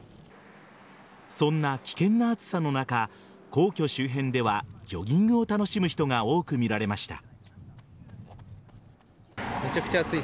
そんな危険な暑さの中皇居周辺ではジョギングを楽しむ人が多く見られました。